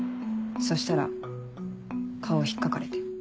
そしたら顔を引っかかれて。